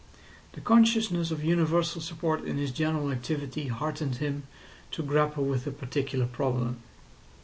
The consciousness of universal support in his general activity heartened him to grapple with the particular problem.